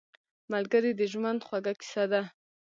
ملګری د ژوند خوږه کیسه ده